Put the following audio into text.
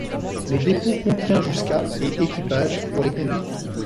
Le dépôt contient jusqu'à et équipages pour les conduire.